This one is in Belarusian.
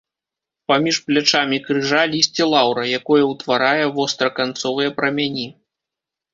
Паміж плячамі крыжа лісце лаўра, якое ўтварае востраканцовыя прамяні.